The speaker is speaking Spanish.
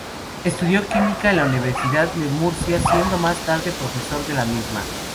Estudió química en la Universidad de Murcia siendo más tarde profesor de la misma.